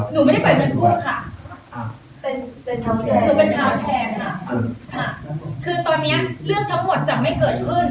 หนูไม่ได้ปล่อยเงินคู่ค่ะเป็นทางแชร์ค่ะคือตอนนี้เรื่องทั้งหมดจะไม่เกิดขึ้น